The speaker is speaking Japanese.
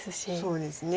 そうですね。